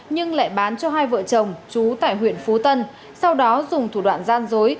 nhưng lại bán cho hai vợ chồng chú tại huyện phú tân sau đó dùng thủ đoạn gian dối